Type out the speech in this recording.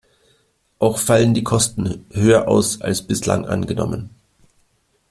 Auch fallen die Kosten höher aus, als bislang angenommen.